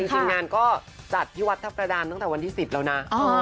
จริงงานก็จัดที่วัดทัพกระดานตั้งแต่วันที่๑๐แล้วนะ